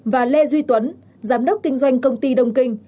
và lê duy tuấn giám đốc kinh doanh công ty đông kinh